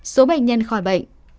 số bệnh nhân khỏi bệnh